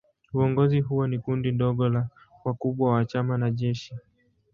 Uongozi huo ni kundi dogo la wakubwa wa chama na jeshi.